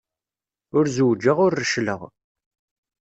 Ur zewǧeɣ, ur reccleɣ.